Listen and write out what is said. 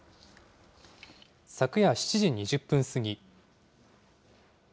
昨夜７時２０分過ぎ。